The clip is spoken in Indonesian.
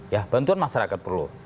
ya bantuan masyarakat perlu